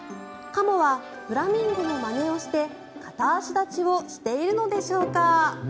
カモはフラミンゴのまねをして片足立ちをしているのでしょうか？